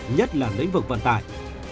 nhất là lĩnh vực vận tải